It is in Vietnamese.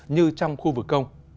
như trong khu vực